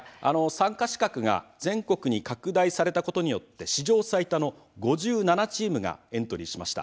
参加資格が全国に拡大されたことによって史上最多の５７チームがエントリーしました。